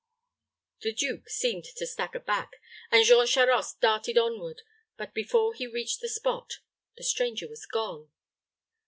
The duke seemed to stagger back, and Jean Charost darted onward; but before he reached the spot, the stranger was gone.